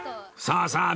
さあさあ